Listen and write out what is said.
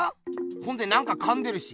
ほんで何かかんでるし。